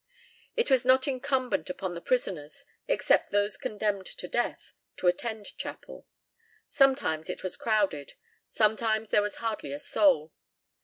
It was not incumbent upon the prisoners, except those condemned to death, to attend chapel. Sometimes it was crowded, sometimes there was hardly a soul.